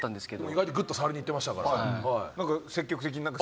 意外とグッと触りにいってましたから。